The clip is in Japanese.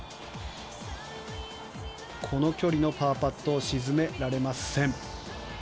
この距離のパーパットを沈められません。